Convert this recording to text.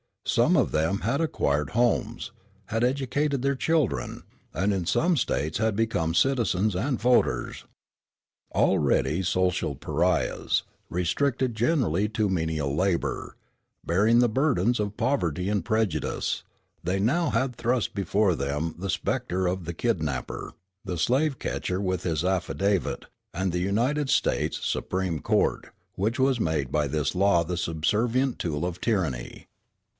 Some of them had acquired homes, had educated their children, and in some States had become citizens and voters. Already social pariahs, restricted generally to menial labor, bearing the burdens of poverty and prejudice, they now had thrust before them the spectre of the kidnapper, the slave catcher with his affidavit, and the United States [Supreme] Court, which was made by this law the subservient tool of tyranny.